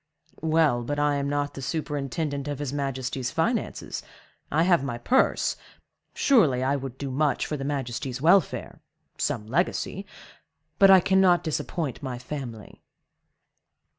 "Well, but I am not the superintendent of his majesty's finances—I have my purse—surely I would do much for his majesty's welfare—some legacy—but I cannot disappoint my family."